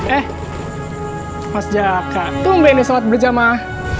eh mas jaka tungguin nih salat berjamah